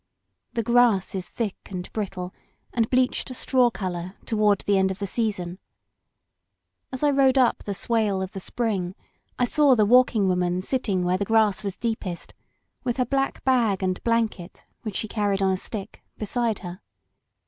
The grass is thick and brittle and bleached straw color tow ard the end of the season. N As I rode up the swale of the spring I saw the Walking Woman sitting where the grass was deepest, with her black bag and blanket, which she carried on a stick, beside her.